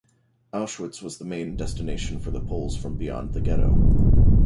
Auschwitz was the main destination for the Poles from beyond the ghetto.